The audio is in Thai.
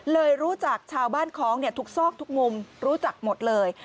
รู้จักชาวบ้านคล้องทุกซอกทุกมุมรู้จักหมดเลย